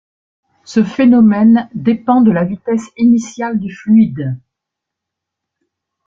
Ce phénomène dépend de la vitesse initiale du fluide.